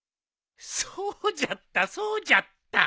そうじゃったそうじゃった。